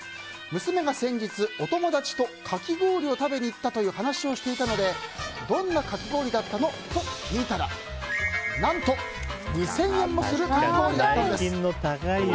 娘が先日、お友達とかき氷を食べに行ったという話をしていたのでどんなかき氷だったの？と聞いたら何と２０００円もするかき氷だったんです。